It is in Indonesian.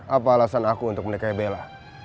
apa alasan aku untuk menikahi bela